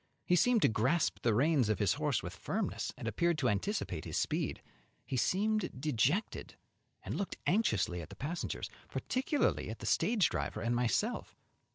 He seemed to grasp the reins of his horse with firmness, and appeared to anticipate his speed. He seemed dejected, and looked anxiously at the passengers, particularly at the stage driver and myself.